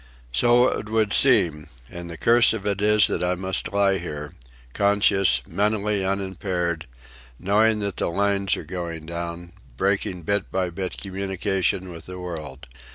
"So it would seem; and the curse of it is that I must lie here, conscious, mentally unimpaired, knowing that the lines are going down, breaking bit by bit communication with the world.